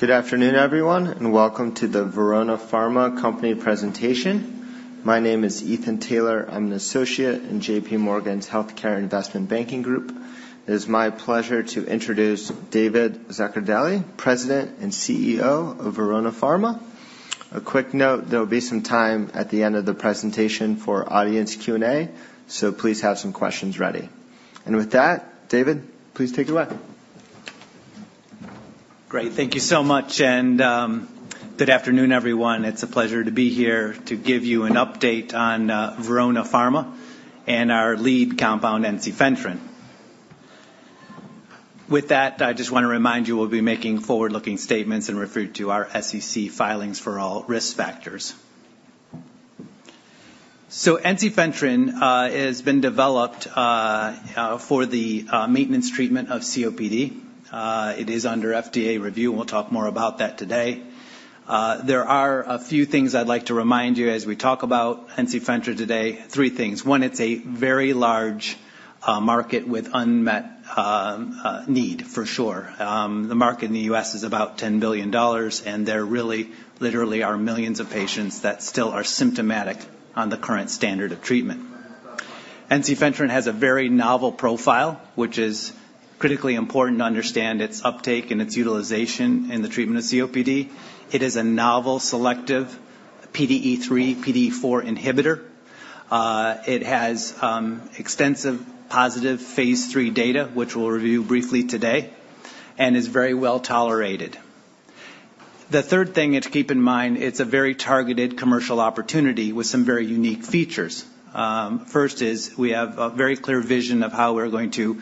Good afternoon, everyone, and welcome to the Verona Pharma company presentation. My name is Ethan Taylor. I'm an associate in JPMorgan's Healthcare Investment Banking group. It is my pleasure to introduce David Zaccardelli, President and CEO of Verona Pharma. A quick note, there will be some time at the end of the presentation for audience Q&A, so please have some questions ready. With that, David, please take it away. Great. Thank you so much, and, good afternoon, everyone. It's a pleasure to be here to give you an update on Verona Pharma and our lead compound, ensifentrine. With that, I just want to remind you, we'll be making forward-looking statements and refer you to our SEC filings for all risk factors. So ensifentrine has been developed for the maintenance treatment of COPD. It is under FDA review, and we'll talk more about that today. There are a few things I'd like to remind you as we talk about ensifentrine today. Three things. One, it's a very large market with unmet need, for sure. The market in the US is about $10 billion, and there really literally are millions of patients that still are symptomatic on the current standard of treatment. Ensifentrine has a very novel profile, which is critically important to understand its uptake and its utilization in the treatment of COPD. It is a novel selective PDE3, PDE4 inhibitor. It has extensive positive phase III data, which we'll review briefly today, and is very well tolerated. The third thing is to keep in mind, it's a very targeted commercial opportunity with some very unique features. First is, we have a very clear vision of how we're going to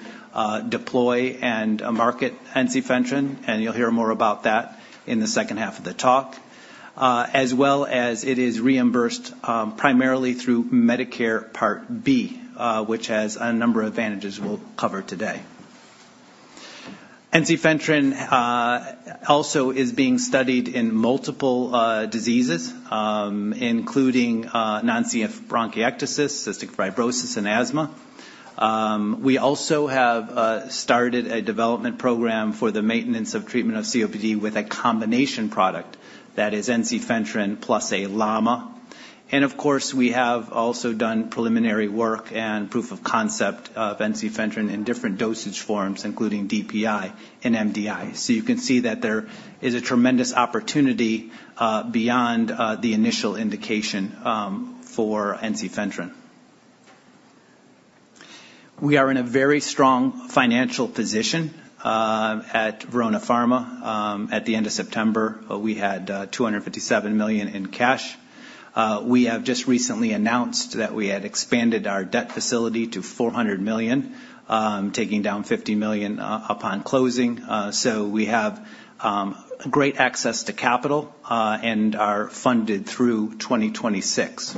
deploy and market ensifentrine, and you'll hear more about that in the second half of the talk. As well as it is reimbursed primarily through Medicare Part B, which has a number of advantages we'll cover today. Ensifentrine also is being studied in multiple diseases, including non-CF bronchiectasis, cystic fibrosis, and asthma. We also have started a development program for the maintenance of treatment of COPD with a combination product that is ensifentrine plus a LAMA. Of course, we have also done preliminary work and proof of concept of ensifentrine in different dosage forms, including DPI and MDI. You can see that there is a tremendous opportunity beyond the initial indication for ensifentrine. We are in a very strong financial position at Verona Pharma. At the end of September, we had $257 million in cash. We have just recently announced that we had expanded our debt facility to $400 million, taking down $50 million upon closing. So we have great access to capital and are funded through 2026.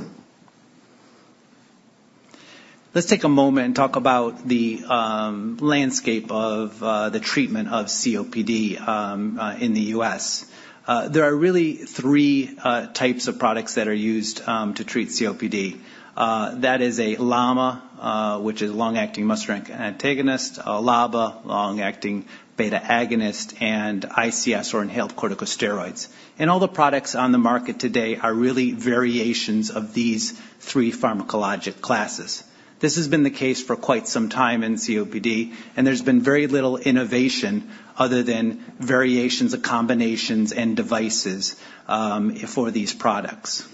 Let's take a moment and talk about the landscape of the treatment of COPD in the US. There are really three types of products that are used to treat COPD. That is a LAMA, which is long-acting muscarinic antagonist, a LABA, long-acting beta agonist, and ICS, or inhaled corticosteroids. All the products on the market today are really variations of these three pharmacologic classes. This has been the case for quite some time in COPD, and there's been very little innovation other than variations of combinations and devices for these products.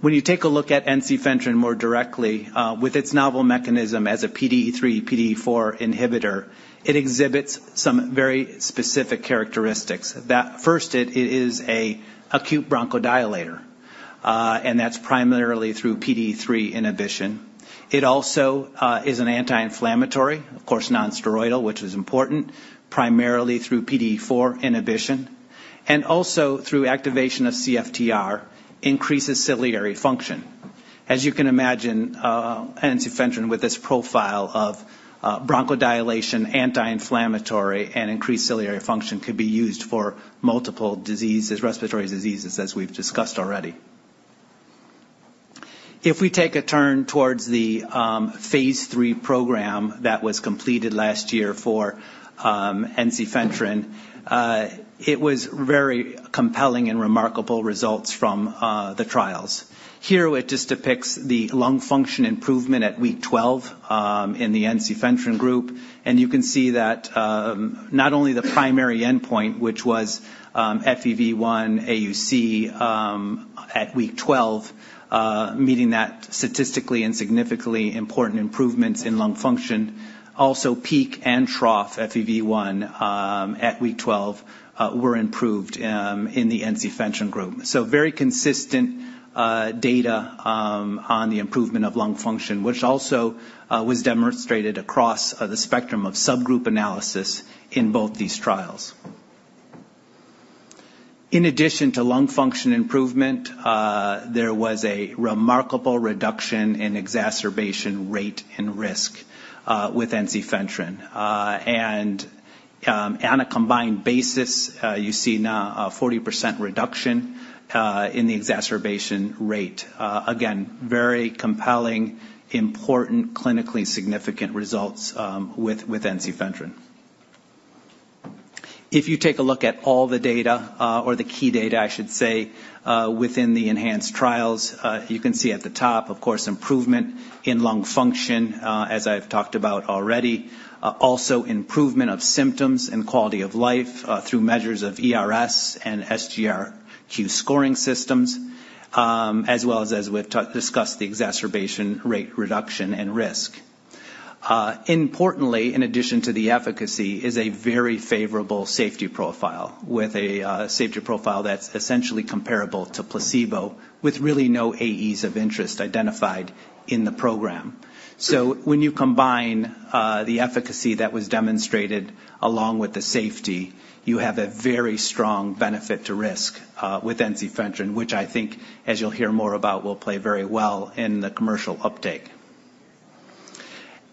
When you take a look at ensifentrine more directly with its novel mechanism as a PDE3, PDE4 inhibitor, it exhibits some very specific characteristics. That first, it is an acute bronchodilator, and that's primarily through PDE3 inhibition. It also is an anti-inflammatory, of course, non-steroidal, which is important, primarily through PDE4 inhibition, and also through activation of CFTR, increases ciliary function. As you can imagine, ensifentrine with this profile of bronchodilation, anti-inflammatory, and increased ciliary function, could be used for multiple diseases, respiratory diseases, as we've discussed already. If we take a turn towards the phase III program that was completed last year for ensifentrine, it was very compelling and remarkable results from the trials. Here, it just depicts the lung function improvement at week 12 in the ensifentrine group, and you can see that not only the primary endpoint, which was FEV1 AUC at week 12, meeting that statistically and significantly important improvements in lung function. Also, peak and trough FEV1 at week 12 were improved in the ensifentrine group. So very consistent data on the improvement of lung function, which also was demonstrated across the spectrum of subgroup analysis in both these trials. In addition to lung function improvement, there was a remarkable reduction in exacerbation rate and risk with ensifentrine. And on a combined basis, you see now a 40% reduction in the exacerbation rate. Again, very compelling, important, clinically significant results with ensifentrine... If you take a look at all the data, or the key data, I should say, within the ENHANCE trials, you can see at the top, of course, improvement in lung function as I've talked about already. Also improvement of symptoms and quality of life through measures of E-RS and SGRQ scoring systems, as well as, as we've discussed, the exacerbation rate reduction and risk. Importantly, in addition to the efficacy, is a very favorable safety profile, with a safety profile that's essentially comparable to placebo, with really no AEs of interest identified in the program. So when you combine the efficacy that was demonstrated along with the safety, you have a very strong benefit to risk with ensifentrine, which I think, as you'll hear more about, will play very well in the commercial update.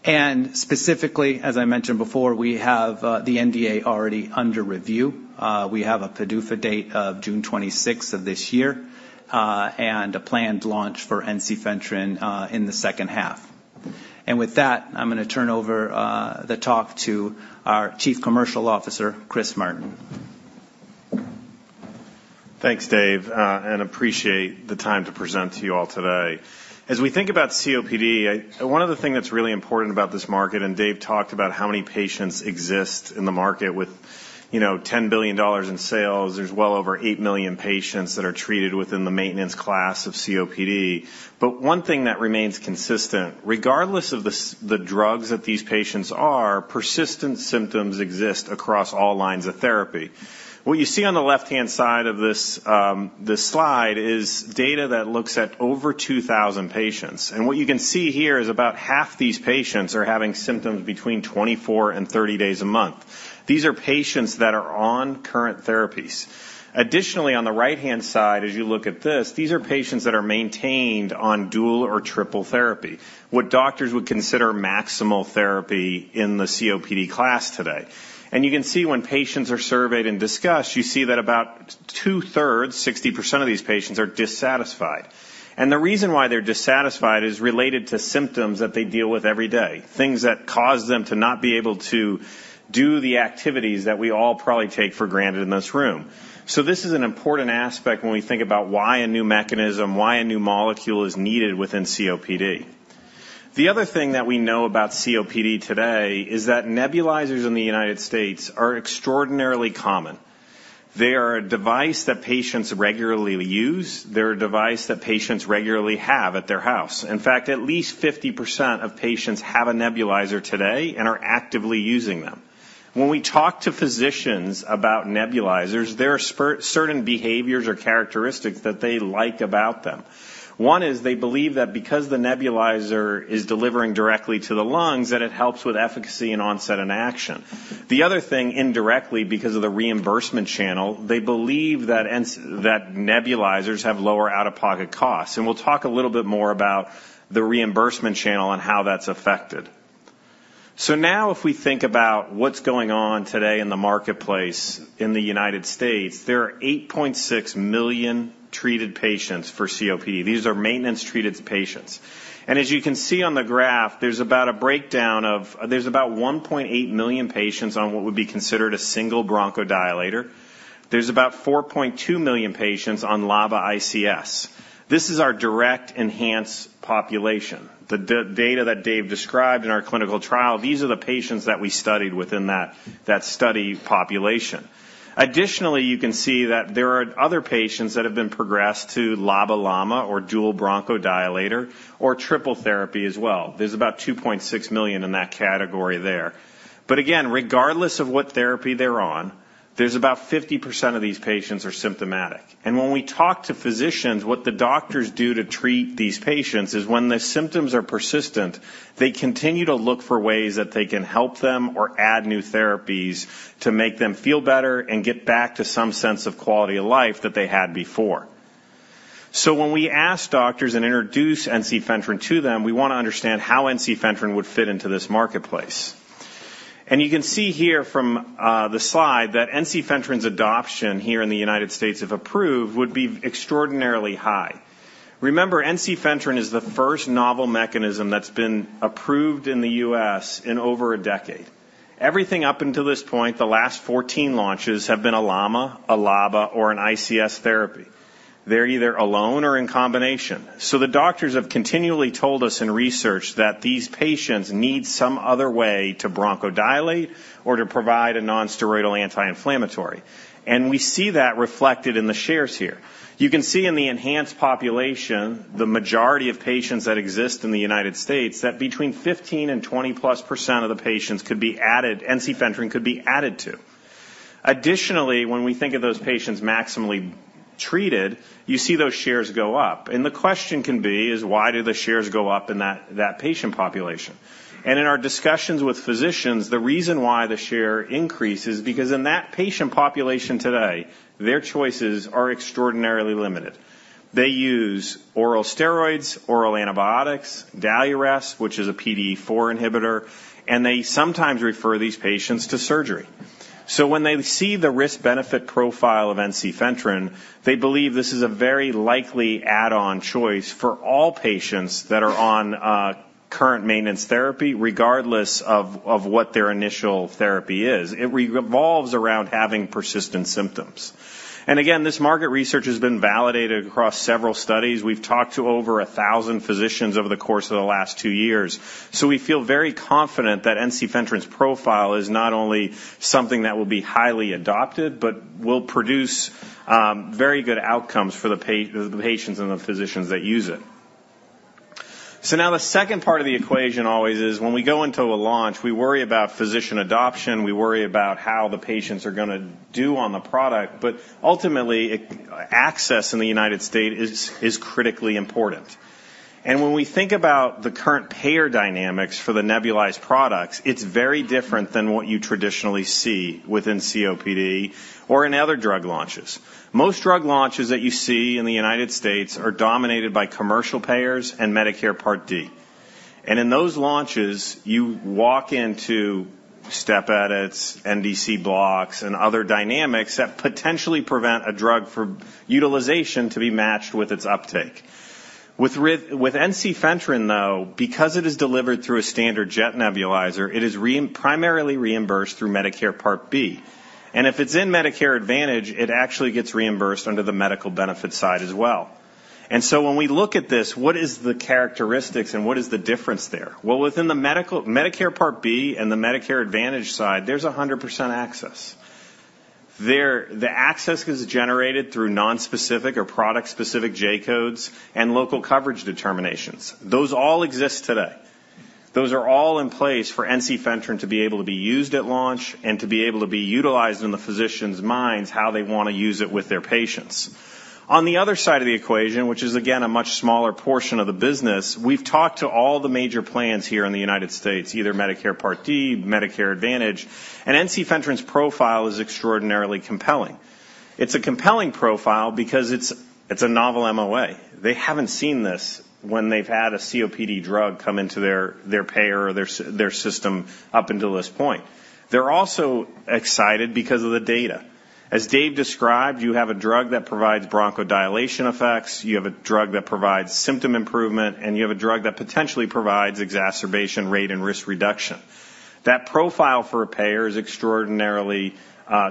And specifically, as I mentioned before, we have the NDA already under review. We have a PDUFA date of June twenty-sixth of this year and a planned launch for ensifentrine in the second half. With that, I'm gonna turn over the talk to our Chief Commercial Officer, Chris Martin. Thanks, Dave, and appreciate the time to present to you all today. As we think about COPD, one of the things that's really important about this market, and Dave talked about how many patients exist in the market with, you know, $10 billion in sales. There's well over 8 million patients that are treated within the maintenance class of COPD. But one thing that remains consistent, regardless of the drugs that these patients are, persistent symptoms exist across all lines of therapy. What you see on the left-hand side of this, this slide, is data that looks at over 2,000 patients. And what you can see here is about half these patients are having symptoms between 24 days and 30 days a month. These are patients that are on current therapies. Additionally, on the right-hand side, as you look at this, these are patients that are maintained on dual or triple therapy, what doctors would consider maximal therapy in the COPD class today. You can see when patients are surveyed and discussed, you see that about 2/3, 60% of these patients, are dissatisfied. The reason why they're dissatisfied is related to symptoms that they deal with every day, things that cause them to not be able to do the activities that we all probably take for granted in this room. This is an important aspect when we think about why a new mechanism, why a new molecule is needed within COPD. The other thing that we know about COPD today is that nebulizers in the United States are extraordinarily common. They are a device that patients regularly use. They're a device that patients regularly have at their house. In fact, at least 50% of patients have a nebulizer today and are actively using them. When we talk to physicians about nebulizers, there are certain behaviors or characteristics that they like about them. One is they believe that because the nebulizer is delivering directly to the lungs, that it helps with efficacy and onset and action. The other thing, indirectly, because of the reimbursement channel, they believe that nebulizers have lower out-of-pocket costs, and we'll talk a little bit more about the reimbursement channel and how that's affected. So now, if we think about what's going on today in the marketplace in the United States, there are 8.6 million treated patients for COPD. These are maintenance-treated patients. And as you can see on the graph, there's about a breakdown of... There's about 1.8 million patients on what would be considered a single bronchodilator. There's about 4.2 million patients on LABA ICS. This is our direct enhanced population. The data that Dave described in our clinical trial, these are the patients that we studied within that study population. Additionally, you can see that there are other patients that have been progressed to LABA/LAMA or dual bronchodilator or triple therapy as well. There's about 2.6 million in that category there. But again, regardless of what therapy they're on, there's about 50% of these patients are symptomatic. When we talk to physicians, what the doctors do to treat these patients is when the symptoms are persistent, they continue to look for ways that they can help them or add new therapies to make them feel better and get back to some sense of quality of life that they had before. When we ask doctors and introduce ensifentrine to them, we want to understand how ensifentrine would fit into this marketplace. You can see here from the slide that ensifentrine's adoption here in the United States, if approved, would be extraordinarily high. Remember, ensifentrine is the first novel mechanism that's been approved in the US in over a decade. Everything up until this point, the last 14 launches, have been a LAMA, a LABA, or an ICS therapy. They're either alone or in combination. So the doctors have continually told us in research that these patients need some other way to bronchodilate or to provide a non-steroidal anti-inflammatory, and we see that reflected in the shares here. You can see in the enhanced population, the majority of patients that exist in the United States, that between 15% and 20%+ of the patients could be added, ensifentrine could be added to. Additionally, when we think of those patients maximally treated, you see those shares go up. And the question can be, is why do the shares go up in that, that patient population? And in our discussions with physicians, the reason why the share increases, because in that patient population today, their choices are extraordinarily limited. They use oral steroids, oral antibiotics, DALIRESP, which is a PDE4 inhibitor, and they sometimes refer these patients to surgery. So when they see the risk-benefit profile of ensifentrine, they believe this is a very likely add-on choice for all patients that are on current maintenance therapy, regardless of what their initial therapy is. It revolves around having persistent symptoms. And again, this market research has been validated across several studies. We've talked to over 1,000 physicians over the course of the last two years, so we feel very confident that ensifentrine's profile is not only something that will be highly adopted, but will produce very good outcomes for the patients and the physicians that use it. So now the second part of the equation always is, when we go into a launch, we worry about physician adoption, we worry about how the patients are gonna do on the product, but ultimately, access in the United States is critically important. And when we think about the current payer dynamics for the nebulized products, it's very different than what you traditionally see within COPD or in other drug launches. Most drug launches that you see in the United States are dominated by commercial payers and Medicare Part D. And in those launches, you walk into step edits, NDC blocks, and other dynamics that potentially prevent a drug for utilization to be matched with its uptake. With ensifentrine, though, because it is delivered through a standard jet nebulizer, it is primarily reimbursed through Medicare Part B. And if it's in Medicare Advantage, it actually gets reimbursed under the medical benefit side as well. And so when we look at this, what is the characteristics and what is the difference there? Well, within the medical Medicare Part B and the Medicare Advantage side, there's 100% access. There, the access is generated through nonspecific or product-specific J-codes and local coverage determinations. Those all exist today. Those are all in place for ensifentrine to be able to be used at launch and to be able to be utilized in the physicians' minds, how they want to use it with their patients. On the other side of the equation, which is again, a much smaller portion of the business, we've talked to all the major plans here in the United States, either Medicare Part D, Medicare Advantage, and ensifentrine's profile is extraordinarily compelling. It's a compelling profile because it's, it's a novel MOA. They haven't seen this when they've had a COPD drug come into their, their payer or their system up until this point. They're also excited because of the data. As Dave described, you have a drug that provides bronchodilation effects, you have a drug that provides symptom improvement, and you have a drug that potentially provides exacerbation rate and risk reduction. That profile for a payer is extraordinarily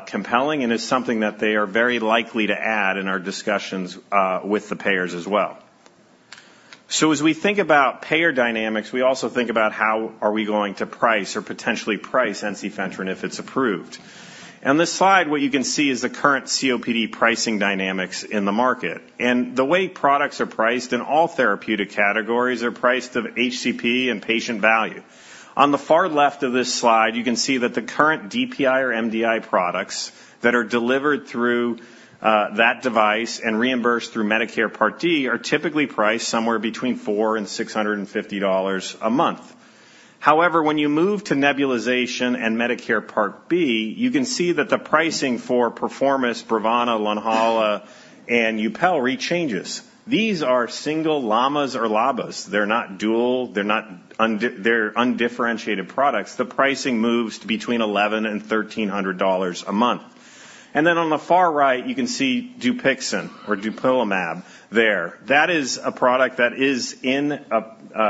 compelling and is something that they are very likely to add in our discussions with the payers as well. So as we think about payer dynamics, we also think about how are we going to price or potentially price ensifentrine if it's approved. On this slide, what you can see is the current COPD pricing dynamics in the market, and the way products are priced in all therapeutic categories are priced of HCP and patient value. On the far left of this slide, you can see that the current DPI or MDI products that are delivered through that device and reimbursed through Medicare Part D are typically priced somewhere between $400-$650 a month. However, when you move to nebulization and Medicare Part B, you can see that the pricing for PERFOROMIST, BROVANA, LONHALA, and YUPELRI changes. These are single LAMAs or LABAs. They're not dual, they're undifferentiated products. The pricing moves to between $1,100-$1,300 a month. And then on the far right, you can see DUPIXENT or dupilumab there. That is a product that is in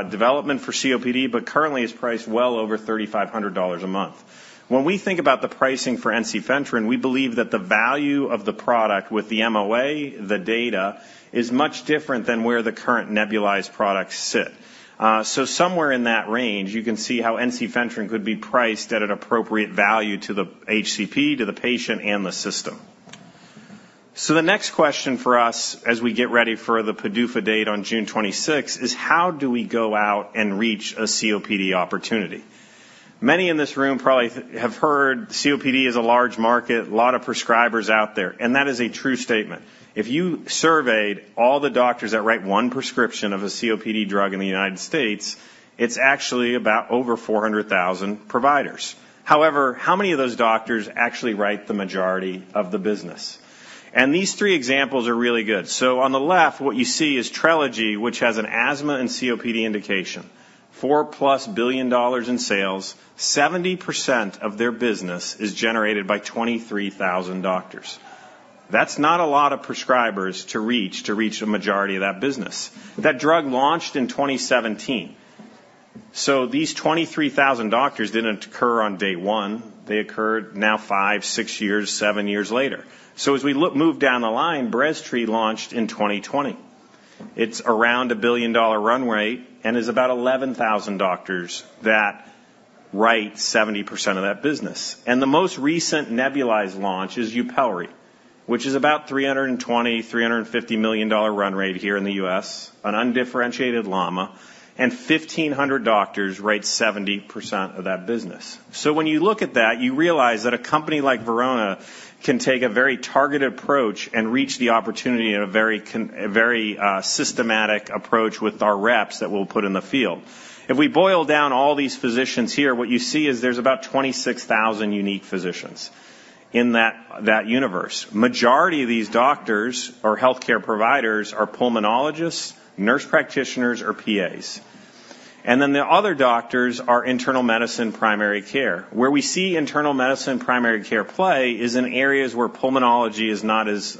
development for COPD, but currently is priced well over $3,500 a month. When we think about the pricing for ensifentrine, we believe that the value of the product with the MOA, the data, is much different than where the current nebulized products sit. So somewhere in that range, you can see how ensifentrine could be priced at an appropriate value to the HCP, to the patient, and the system. So the next question for us as we get ready for the PDUFA date on 26 June, is how do we go out and reach a COPD opportunity? Many in this room probably have heard COPD is a large market, a lot of prescribers out there, and that is a true statement. If you surveyed all the doctors that write one prescription of a COPD drug in the United States, it's actually about over 400,000 providers. However, how many of those doctors actually write the majority of the business? These three examples are really good. On the left, what you see is TRELEGY, which has an asthma and COPD indication, $4+ billion in sales, 70% of their business is generated by 23,000 doctors. That's not a lot of prescribers to reach, to reach a majority of that business. That drug launched in 2017, so these 23,000 doctors didn't occur on day one. They occurred now five, six years, seven years later. As we move down the line, BREZTRI launched in 2020. It's around a billion-dollar run rate and is about 11,000 doctors that write 70% of that business. The most recent nebulized launch is YUPELRI, which is about a $320 million-$350 million run rate here in the U.S., an undifferentiated LAMA, and 1,500 doctors write 70% of that business. So when you look at that, you realize that a company like Verona can take a very targeted approach and reach the opportunity in a very systematic approach with our reps that we'll put in the field. If we boil down all these physicians here, what you see is there's about 26,000 unique physicians in that universe. Majority of these doctors or healthcare providers are pulmonologists, nurse practitioners, or PAs. And then the other doctors are internal medicine primary care. Where we see internal medicine primary care play is in areas where pulmonology is not as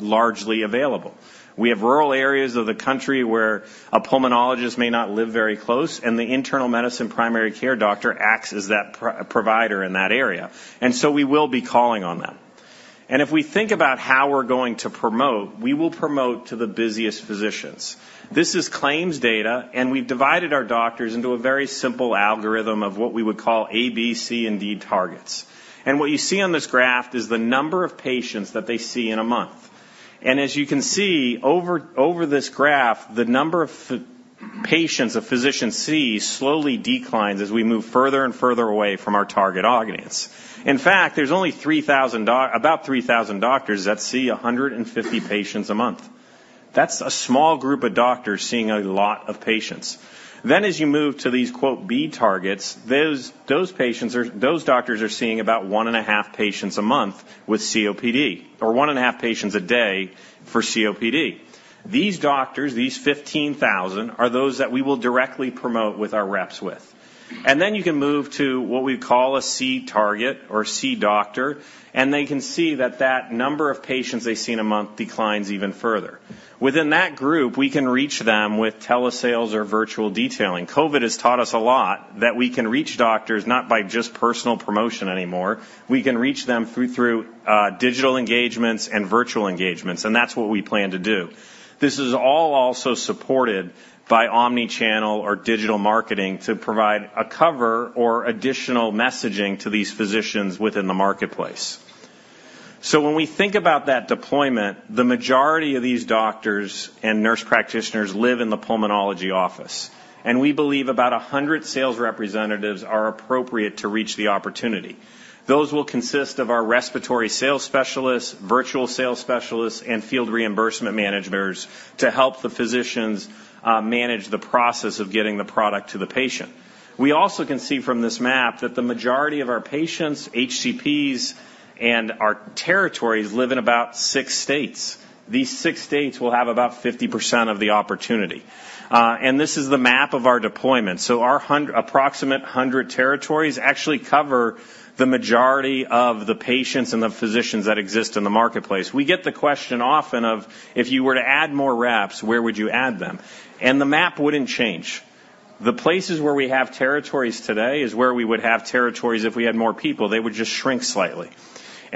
largely available. We have rural areas of the country where a pulmonologist may not live very close, and the internal medicine primary care doctor acts as that provider in that area, and so we will be calling on them. And if we think about how we're going to promote, we will promote to the busiest physicians. This is claims data, and we've divided our doctors into a very simple algorithm of what we would call A, B, C, and D targets. And what you see on this graph is the number of patients that they see in a month. And as you can see, over this graph, the number of patients a physician sees slowly declines as we move further and further away from our target audience. In fact, there's only about 3,000 doctors that see 150 patients a month. That's a small group of doctors seeing a lot of patients. Then, as you move to these "B targets," those doctors are seeing about 1.5 patients a month with COPD, or 1.5 patients a day for COPD. These doctors, these 15,000, are those that we will directly promote with our reps. And then you can move to what we call a C target or C doctor, and they can see that number of patients they see in a month declines even further. Within that group, we can reach them with telesales or virtual detailing. COVID has taught us a lot, that we can reach doctors not by just personal promotion anymore. We can reach them through digital engagements and virtual engagements, and that's what we plan to do. This is all also supported by omni-channel or digital marketing to provide a cover or additional messaging to these physicians within the marketplace. So when we think about that deployment, the majority of these doctors and nurse practitioners live in the pulmonology office, and we believe about 100 sales representatives are appropriate to reach the opportunity. Those will consist of our respiratory sales specialists, virtual sales specialists, and field reimbursement managers to help the physicians manage the process of getting the product to the patient. We also can see from this map that the majority of our patients, HCPs, and our territories live in about 6 states. These 6 states will have about 50% of the opportunity, and this is the map of our deployment. So our approximate 100 territories actually cover the majority of the patients and the physicians that exist in the marketplace. We get the question often of, "If you were to add more reps, where would you add them?" The map wouldn't change. The places where we have territories today is where we would have territories if we had more people. They would just shrink slightly.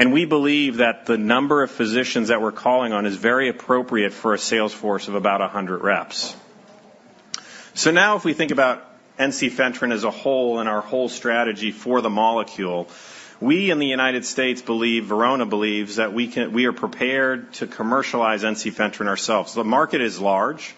We believe that the number of physicians that we're calling on is very appropriate for a sales force of about 100 reps. So now, if we think about ensifentrine as a whole and our whole strategy for the molecule, we in the United States believe, Verona believes, that we can—we are prepared to commercialize ensifentrine ourselves. The market is large,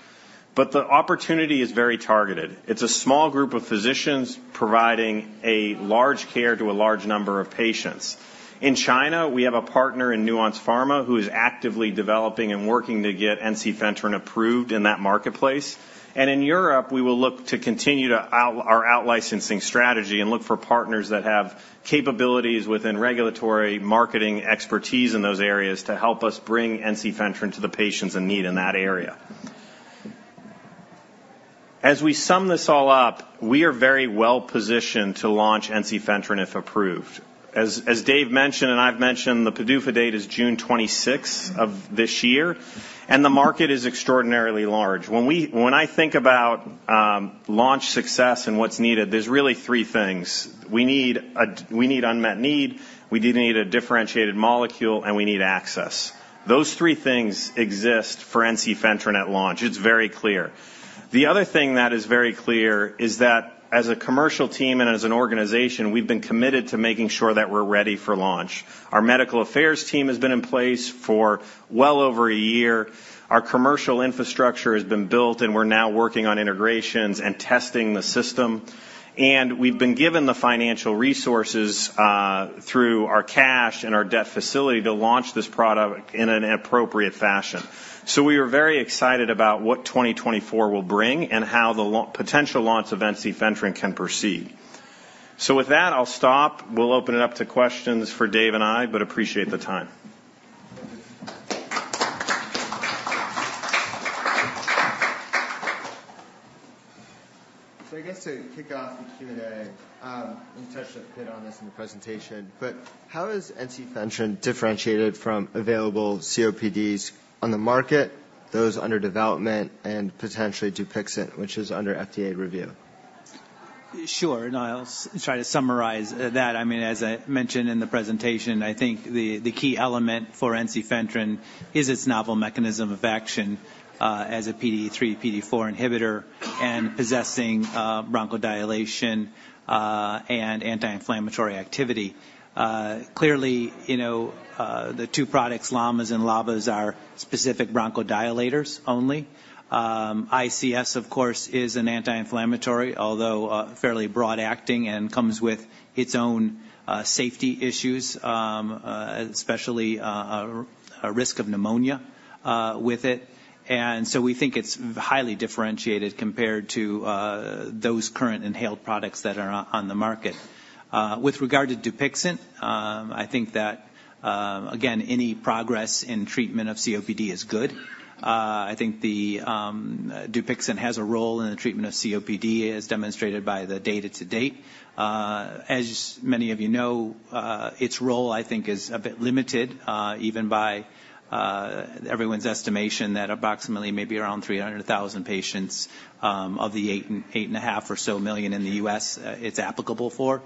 but the opportunity is very targeted. It's a small group of physicians providing a large care to a large number of patients. In China, we have a partner in Nuance Pharma, who is actively developing and working to get ensifentrine approved in that marketplace. In Europe, we will look to continue our out-licensing strategy and look for partners that have capabilities within regulatory marketing expertise in those areas to help us bring ensifentrine to the patients in need in that area. As we sum this all up, we are very well-positioned to launch ensifentrine, if approved. As Dave mentioned, and I've mentioned, the PDUFA date is 26th June of this year, and the market is extraordinarily large. When I think about launch success and what's needed, there's really three things. We need unmet need, we need a differentiated molecule, and we need access. Those three things exist for ensifentrine at launch. It's very clear. The other thing that is very clear is that as a commercial team and as an organization, we've been committed to making sure that we're ready for launch. Our medical affairs team has been in place for well over a year. Our commercial infrastructure has been built, and we're now working on integrations and testing the system. And we've been given the financial resources through our cash and our debt facility to launch this product in an appropriate fashion. So we are very excited about what 2024 will bring and how the potential launch of ensifentrine can proceed. So with that, I'll stop. We'll open it up to questions for Dave and I, but appreciate the time. I guess to kick off the Q&A, you touched a bit on this in the presentation, but how is ensifentrine differentiated from available COPD treatments on the market, those under development and potentially DUPIXENT, which is under FDA review? Sure, and I'll try to summarize that. I mean, as I mentioned in the presentation, I think the key element for ensifentrine is its novel mechanism of action as a PDE3, PDE4 inhibitor and possessing bronchodilation and anti-inflammatory activity. Clearly, you know, the two products, LAMAs and LABAs, are specific bronchodilators only. ICS, of course, is an anti-inflammatory, although fairly broad acting and comes with its own safety issues, especially a risk of pneumonia with it. And so we think it's highly differentiated compared to those current inhaled products that are on the market. With regard to DUPIXENT, I think that again, any progress in treatment of COPD is good. I think the, DUPIXENT has a role in the treatment of COPD, as demonstrated by the data to date. As many of you know, its role, I think, is a bit limited, even by, everyone's estimation, that approximately maybe around 300,000 patients, of the 8.5 million or so in the U.S., it's applicable for.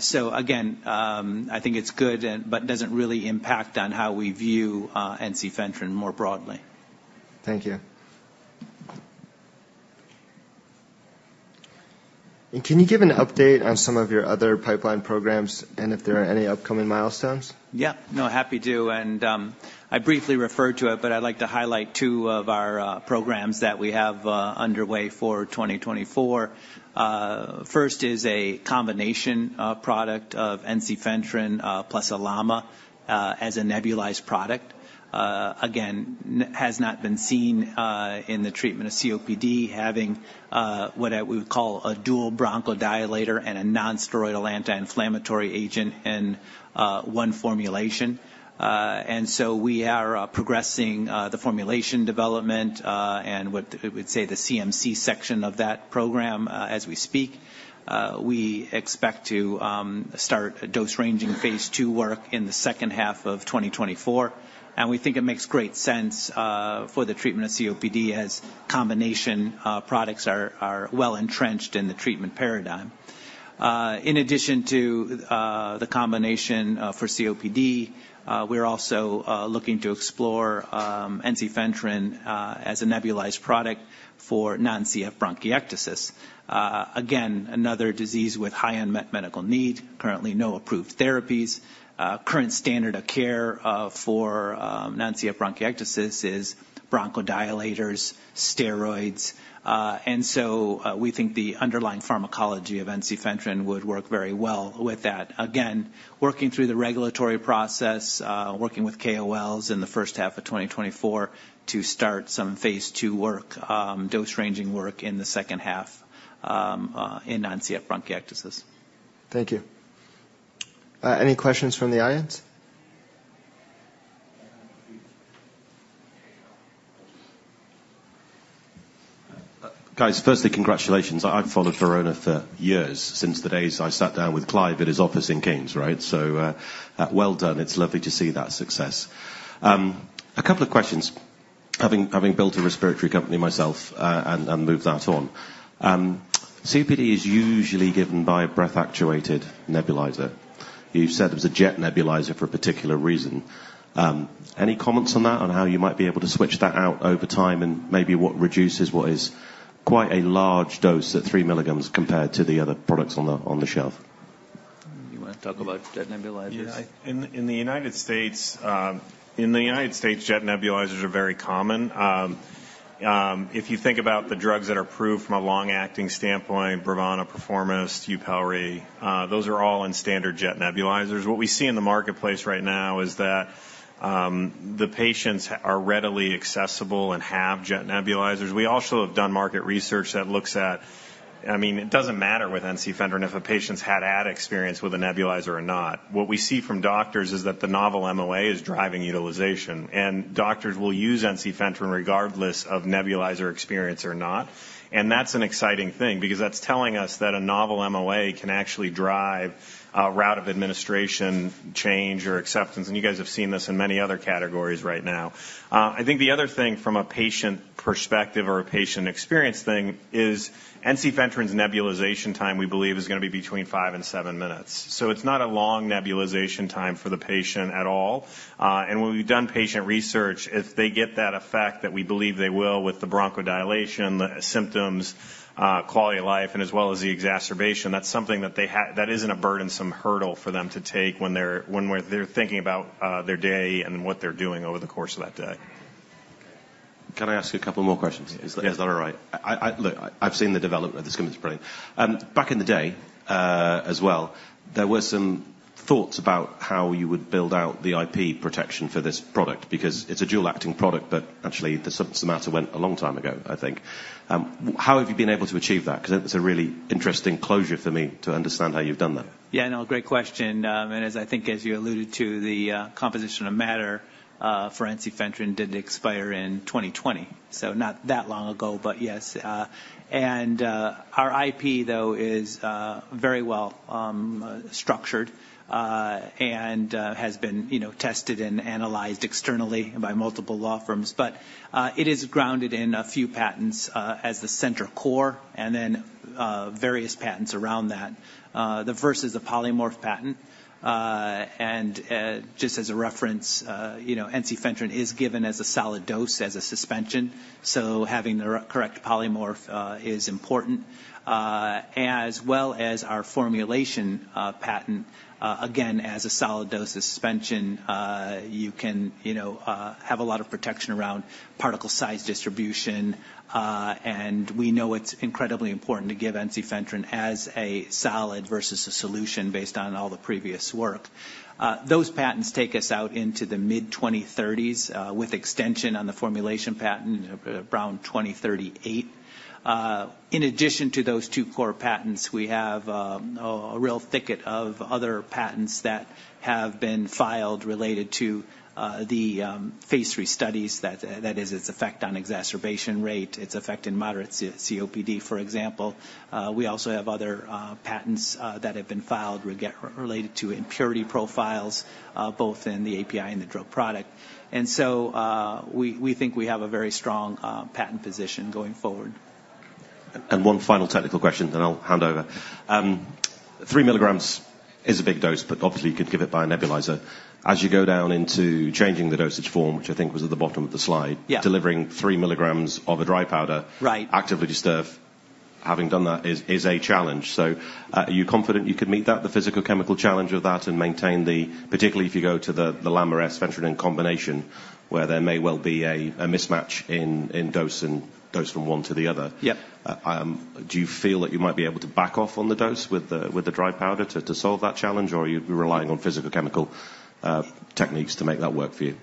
So again, I think it's good and but doesn't really impact on how we view, ensifentrine more broadly. Thank you. And can you give an update on some of your other pipeline programs, and if there are any upcoming milestones? Yeah. No, happy to, and I briefly referred to it, but I'd like to highlight two of our programs that we have underway for 2024. First is a combination product of ensifentrine plus LAMA as a nebulized product. Again, has not been seen in the treatment of COPD, having what I would call a dual bronchodilator and a non-steroidal anti-inflammatory agent in one formulation. And so we are progressing the formulation development and what I would say, the CMC section of that program as we speak. We expect to start a dose-ranging phase II work in the second half of 2024, and we think it makes great sense for the treatment of COPD as combination products are well entrenched in the treatment paradigm. In addition to the combination for COPD, we're also looking to explore ensifentrine as a nebulized product for non-CF bronchiectasis. Again, another disease with high unmet medical need. Currently, no approved therapies. Current standard of care for non-CF bronchiectasis is bronchodilators, steroids. And so, we think the underlying pharmacology of ensifentrine would work very well with that. Again, working through the regulatory process, working with KOLs in the first half of 2024 to start some phase II work, dose-ranging work in the second half in non-CF bronchiectasis. Thank you. Any questions from the audience? Guys, firstly, congratulations. I've followed Verona for years, since the days I sat down with Clive in his office in King's, right? So, well done. It's lovely to see that success. A couple of questions. Having built a respiratory company myself, and moved that on. COPD is usually given by a breath-actuated nebulizer. You said it was a jet nebulizer for a particular reason. Any comments on that, on how you might be able to switch that out over time, and maybe what reduces what is quite a large dose at 3 mg compared to the other products on the shelf? You want to talk about jet nebulizers? Yeah. In the United States, jet nebulizers are very common. If you think about the drugs that are approved from a long-acting standpoint, BROVANA, PERFOROMIST, YUPELRI, those are all in standard jet nebulizers. What we see in the marketplace right now is that the patients are readily accessible and have jet nebulizers. We also have done market research that looks at... I mean, it doesn't matter with ensifentrine if a patient's had a experience with a nebulizer or not. What we see from doctors is that the novel MOA is driving utilization, and doctors will use ensifentrine regardless of nebulizer experience or not. And that's an exciting thing because that's telling us that a novel MOA can actually drive a route of administration, change, or acceptance, and you guys have seen this in many other categories right now. I think the other thing from a patient perspective or a patient experience thing is ensifentrine's nebulization time, we believe, is gonna be between 5 and 7 minutes. So it's not a long nebulization time for the patient at all. And when we've done patient research, if they get that effect that we believe they will with the bronchodilation, the symptoms, quality of life, and as well as the exacerbation, that's something that isn't a burdensome hurdle for them to take when they're thinking about their day and what they're doing over the course of that day. Okay. Can I ask you a couple more questions? Yes. Is that all right? Look, I've seen the development that's coming through. Back in the day, as well, there were some thoughts about how you would build out the IP protection for this product, because it's a dual-acting product, but actually, the subject matter went a long time ago, I think. How have you been able to achieve that? Because it's a really interesting closure for me to understand how you've done that. Yeah, no, great question. And as I think, as you alluded to, the composition of matter for ensifentrine did expire in 2020, so not that long ago, but yes. And our IP, though, is very well structured and has been, you know, tested and analyzed externally by multiple law firms. But it is grounded in a few patents as the center core and then various patents around that. The first is a polymorph patent, and just as a reference, you know, ensifentrine is given as a solid dose, as a suspension, so having the correct polymorph is important. As well as our formulation patent, again, as a solid dose suspension, you can, you know, have a lot of protection around particle size distribution, and we know it's incredibly important to give ensifentrine as a solid versus a solution based on all the previous work. Those patents take us out into the mid-2030s, with extension on the formulation patent, around 2038. In addition to those two core patents, we have a real thicket of other patents that have been filed related to the phase III studies, that is its effect on exacerbation rate, its effect in moderate COPD, for example. We also have other patents that have been filed related to impurity profiles, both in the API and the drug product. We think we have a very strong patent position going forward. One final technical question, then I'll hand over. 3 mg is a big dose, but obviously, you could give it by a nebulizer. As you go down into changing the dosage form, which I think was at the bottom of the slide- Yeah. - delivering 3 mg of a dry powder- Right. Actively this turf, having done that, is a challenge. So, are you confident you could meet that, the physicochemical challenge of that, and maintain the... Particularly if you go to the LAMA ensifentrine combination, where there may well be a mismatch in dose and dose from one to the other? Yep. Do you feel that you might be able to back off on the dose with the dry powder to solve that challenge, or you'd be relying on physical chemical techniques to make that work for you?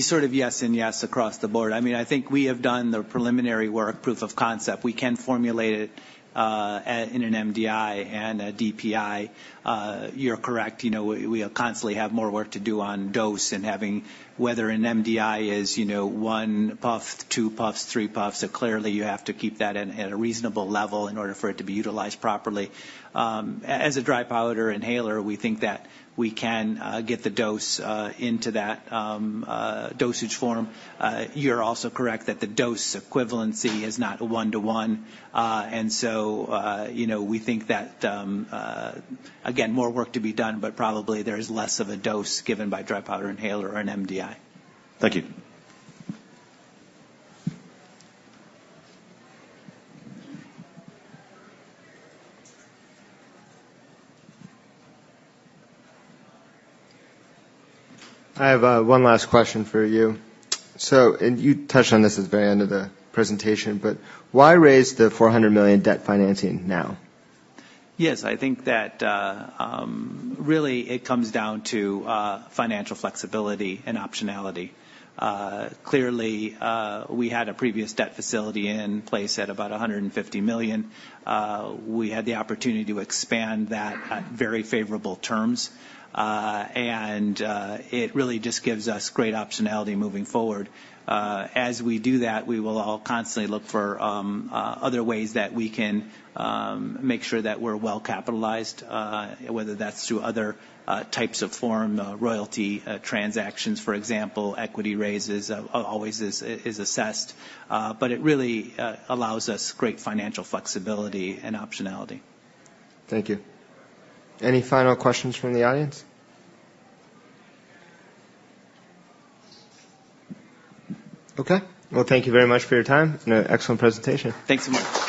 Sort of yes and yes, across the board. I mean, I think we have done the preliminary work, proof of concept. We can formulate it in an MDI and a DPI. You're correct, you know, we constantly have more work to do on dose and having whether an MDI is, you know, one puff, two puffs, three puffs. So clearly, you have to keep that at a reasonable level in order for it to be utilized properly. As a dry powder inhaler, we think that we can get the dose into that dosage form. You're also correct that the dose equivalency is not one-to-one. And so, you know, we think that... Again, more work to be done, but probably there is less of a dose given by dry powder inhaler or an MDI. Thank you. I have one last question for you. So, and you touched on this at the very end of the presentation, but why raise the $400 million debt financing now? Yes, I think that really it comes down to financial flexibility and optionality. Clearly, we had a previous debt facility in place at about $150 million. We had the opportunity to expand that at very favorable terms. And it really just gives us great optionality moving forward. As we do that, we will constantly look for other ways that we can make sure that we're well-capitalized, whether that's through other types of funding, royalty transactions, for example, equity raises, always assessed. But it really allows us great financial flexibility and optionality. Thank you. Any final questions from the audience? Okay. Well, thank you very much for your time, and an excellent presentation. Thanks so much.